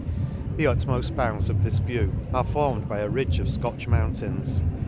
The utmoft bounds of this view are formed by a ridge of Scotch mountains.